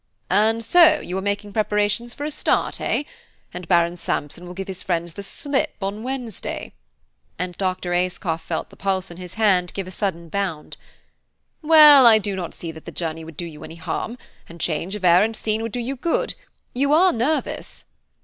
"And so you are making preparations for a start, eh? And Baron Sampson will give his friends the slip on Wednesday," and Dr. Ayscough felt the pulse in his hand give a sudden bound. "Well, I do not see that the journey would do you any harm, and change of air and scene would do you good. You are nervous."